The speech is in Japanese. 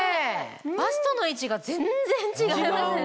バストの位置が全然違いますよね。